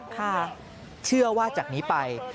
เชื่อว่าจากนี้ไป